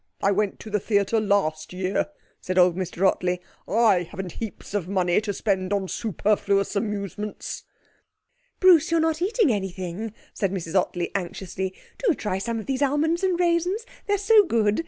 I went to the theatre last year,' said old Mr Ottley. 'I haven't heaps of money to spend on superfluous amusements.' 'Bruce, you're not eating anything,' said Mrs Ottley anxiously. 'Do try some of these almonds and raisins. They're so good!